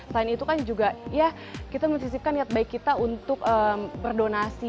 selain itu kan juga ya kita mencisipkan niat baik kita untuk berdonasi